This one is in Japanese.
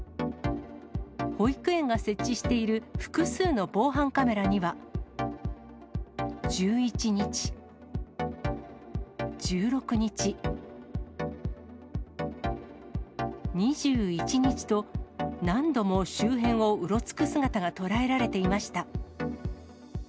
保育園が設置している複数の防犯カメラには、１１日、１６日、２１日と、何度も周辺をうろつく姿が捉えられていました。